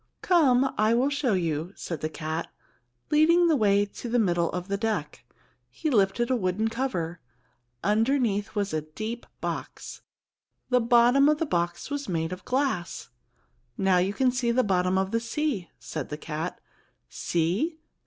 "Come, I will show you," said the cat, leading the way to the middle of the deck. He lifted a wooden cover. Underneath was a deep box. The bottom of the box was made of glass. "Now, you can see the bottom of the sea," said the cat. "See? See?